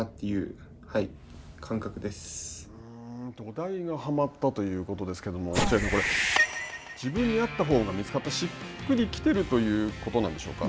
土台がはまったということですけれども落合さん、自分にあったフォームがしっくり効いているということなんでしょうか。